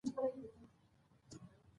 ډوډۍ باید په بسم الله پیل کړو.